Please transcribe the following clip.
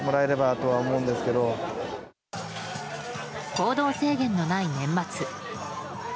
行動制限のない年末。